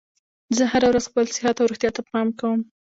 زه هره ورځ خپل صحت او روغتیا ته پام کوم